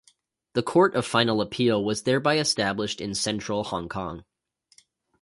The Court of Final Appeal was thereby established in Central, Hong Kong.